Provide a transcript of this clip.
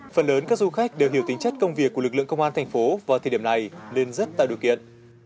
phần lớn các du khách đều hiểu tính chất công việc của lực lượng công an thành phố vào thời điểm này nên rất tạo điều kiện